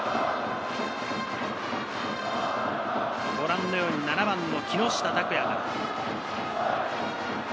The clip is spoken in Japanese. ご覧のように７番・木下拓哉。